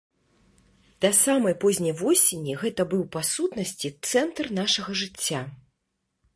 Да самай позняй восені гэта быў, па-сутнасці, цэнтр нашага жыцця.